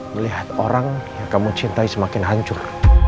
melihat orang yang kamu cintai semakin hancur